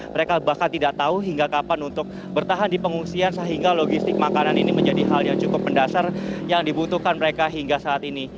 mereka bahkan tidak tahu hingga kapan untuk bertahan di pengungsian sehingga logistik makanan ini menjadi hal yang cukup mendasar yang dibutuhkan mereka hingga saat ini